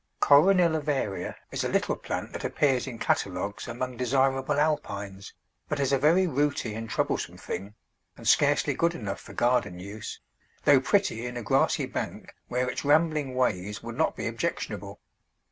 Coronilla varia is a little plant that appears in catalogues among desirable Alpines, but is a very "rooty" and troublesome thing, and scarcely good enough for garden use, though pretty in a grassy bank where its rambling ways would not be objectionable.